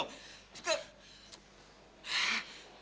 pak pak